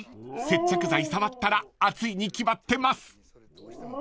接着剤触ったら熱いに決まってます］